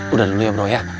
udah dulu ya bro ya